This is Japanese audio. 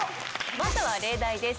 まずは例題です。